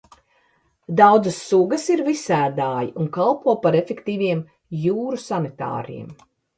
Daudzas sugas ir visēdāji un kalpo par efektīviem jūru sanitāriem.